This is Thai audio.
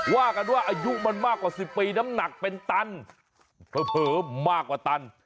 ว่ากันว่าอายุมันมากกว่า๑๐ปีน้ำหนักเป็นตันเผลอมากกว่าตัน